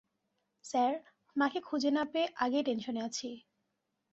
Sir, মাকে খুঁজে না পেয়ে আগেই টেনশনে আছি।